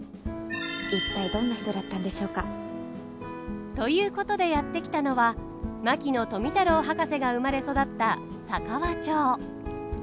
一体どんな人だったんでしょうか？ということでやって来たのは牧野富太郎博士が生まれ育った佐川町。